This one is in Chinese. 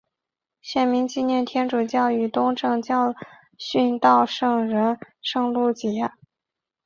县名纪念天主教与东正教殉道圣人圣路济亚。